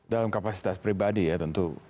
dalam kapasitas pribadi ya tentu